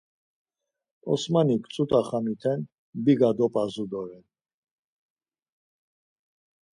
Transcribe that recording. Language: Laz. Osmanik ç̌ut̆a xamiten biga dop̌azu doren.